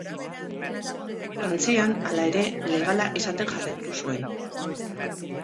Frantzian, hala ere, legala izaten jarraitu zuen.